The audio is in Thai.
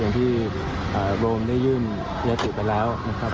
อย่างที่โรมได้ยื่นยติไปแล้วนะครับ